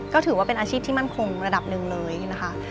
ก็ถือว่าเป็นอาชีพที่มั่นคงระดับหนึ่งเลยนะคะ